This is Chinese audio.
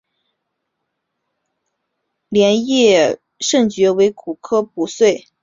镰叶肾蕨为骨碎补科肾蕨属下的一个种。